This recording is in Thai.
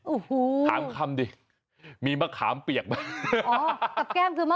โอ้โหถามคำดิมีมะขามเปียกไหม